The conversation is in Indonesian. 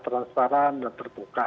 terasaran dan terbuka